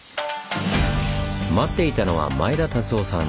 待っていたのは前田達男さん。